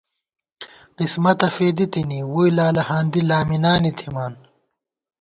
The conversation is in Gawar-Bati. قسمَتہ فېدی تِنی، ووئی لالہاندی لامِنانی تھِمان